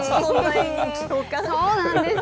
そうなんです。